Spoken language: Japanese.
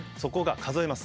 数えます。